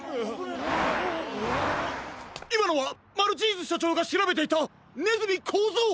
いまのはマルチーズしょちょうがしらべていたねずみこうぞう！